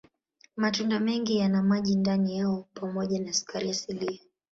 Matunda mengi yana maji ndani yao pamoja na sukari asilia.